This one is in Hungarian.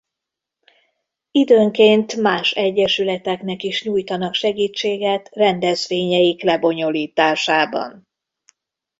Időnként más egyesületeknek is nyújtanak segítséget rendezvényeik lebonyolításában.